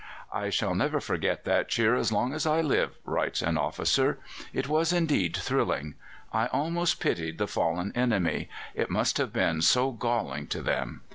"I shall never forget that cheer as long as I live," writes an officer. "It was indeed thrilling. I almost pitied the fallen enemy; it must have been so galling to them.